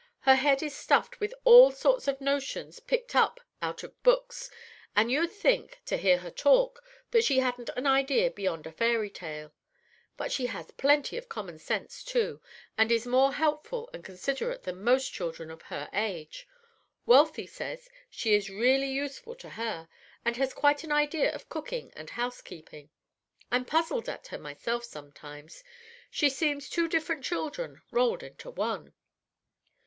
Her head is stuffed with all sorts of notions picked up out of books, and you'd think, to hear her talk, that she hadn't an idea beyond a fairy tale. But she has plenty of common sense, too, and is more helpful and considerate than most children of her age. Wealthy says she is really useful to her, and has quite an idea of cooking and housekeeping. I'm puzzled at her myself sometimes. She seems two different children rolled into one."